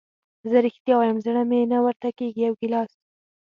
زه رښتیا وایم زړه مې نه ورته کېږي، یو ګیلاس.